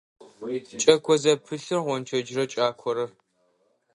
Кӏэко зэпылъыр – гъончэджрэ кӏакорэ.